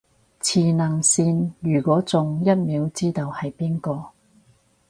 磁能線，如果中，一秒知道係邊個